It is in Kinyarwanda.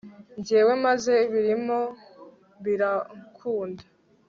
ngewe maze birimo birakunda